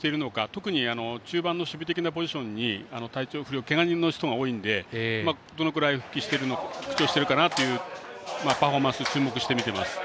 特に中盤の守備的なポジション体調不良、けが人の人が多いのでどのくらい復調してるのかパフォーマンスに注目して、見てます。